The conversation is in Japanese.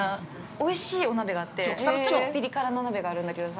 おいしいお鍋があって、ピリ辛の鍋があるんだけどさ。